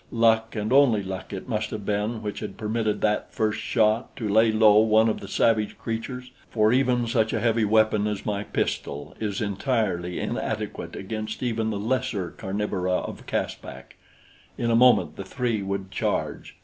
Luck and only luck it must have been which had permitted that first shot to lay low one of the savage creatures, for even such a heavy weapon as my pistol is entirely inadequate against even the lesser carnivora of Caspak. In a moment the three would charge!